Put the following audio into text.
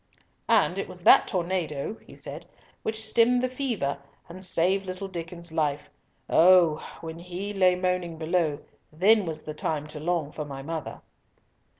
"And it was that tornado," he said, "which stemmed the fever, and saved little Diccon's life. Oh! when he lay moaning below, then was the time to long for my mother."